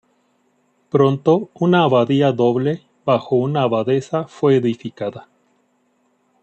Pronto una abadía doble bajo una abadesa fue edificada.